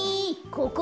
ここ！